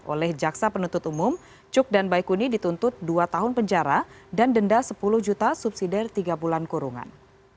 oleh jaksa penuntut umum cuk dan baikuni dituntut dua tahun penjara dan denda sepuluh juta subsidi dari tiga bulan kurungan